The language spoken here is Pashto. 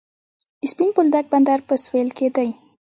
د سپین بولدک بندر په سویل کې دی